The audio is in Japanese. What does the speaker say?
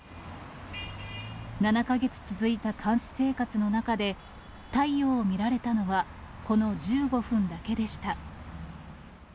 ７か月続いた監視生活の中で、太陽を見られたのはこの１５分だけでした。